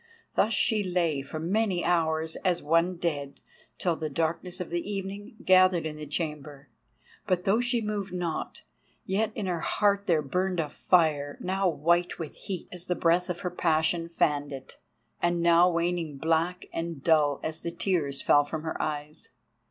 Thus she lay for many hours as one dead—till the darkness of the evening gathered in the chamber. But though she moved not, yet in her heart there burned a fire, now white with heat as the breath of her passion fanned it, and now waning black and dull as the tears fell from her eyes.